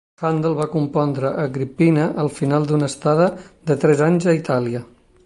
Handel va compondre "Agrippina" al final d'una estada de tres anys a Itàlia.